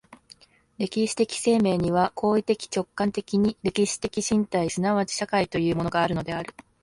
歴史的生命には行為的直観的に歴史的身体即ち社会というものがあるのである。